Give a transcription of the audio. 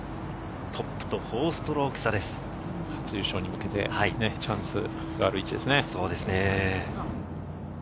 トップと４ストロ初優勝に向けてチャンスがある位置ですね。